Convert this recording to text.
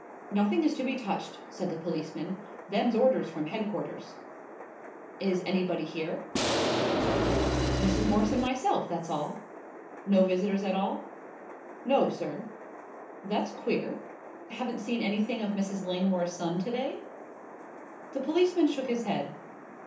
"Nothing is to be touched," said the policeman. "Them's orders from headquarters." "Is anybody here?" "Mrs. Morse and myself, that's all." "No visitors at all?" "No, sir." "That's queer. Haven't seen anything of Mrs. Langmore's son to day?" The policeman shook his head.